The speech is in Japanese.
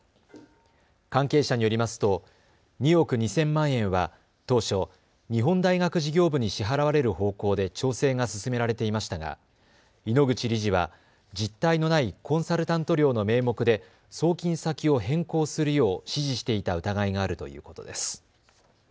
関係者によりますと２億２０００万円は当初、日本大学事業部に支払われる方向で調整が進められていましたが井ノ口理事は実態のないコンサルタント料の名目で送金先を変更するよう指示していた疑いがあるということです。